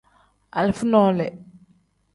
Alifa nole.